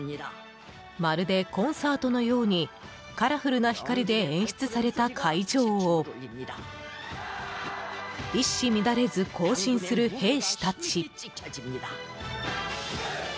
まるでコンサートのようにカラフルな光で演出された会場を一糸乱れず行進する兵士たち。